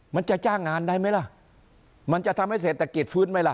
มันจะจ้างงานได้ไหมล่ะมันจะทำให้เศรษฐกิจฟื้นไหมล่ะ